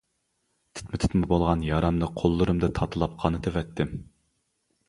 تىتما-تىتما بولغان يارامنى قوللىرىمدا تاتىلاپ قانىتىۋەتتىم.